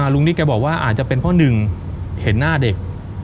นิดแกบอกว่าอาจจะเป็นเพราะหนึ่งเห็นหน้าเด็ก